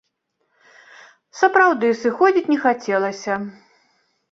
Сапраўды, сыходзіць не хацелася.